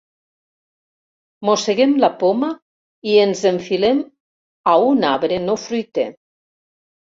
Mosseguem la poma i ens enfilem a un arbre no fruiter.